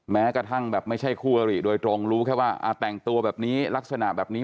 แม้กระทั่งแบบไม่ใช่คู่อริโดยตรงรู้แค่ว่าแต่งตัวแบบนี้ลักษณะแบบนี้